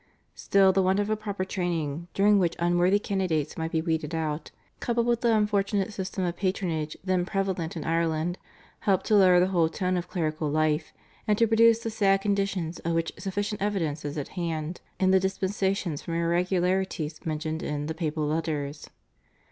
Still, the want of a proper training during which unworthy candidates might be weeded out, coupled with the unfortunate system of patronage then prevalent in Ireland, helped to lower the whole tone of clerical life, and to produce the sad conditions of which sufficient evidence is at hand in the dispensations from irregularities mentioned in the /Papal Letters